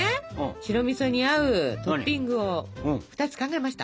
白みそに合うトッピングを２つ考えました。